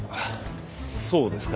そうですか。